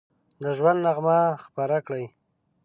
د ژوند نغمه خپره کړي